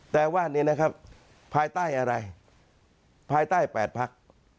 แต่ว่านี่นะครับภายใต้อะไรภายใต้๘พัก